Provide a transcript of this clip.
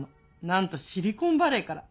なんとシリコンバレーから。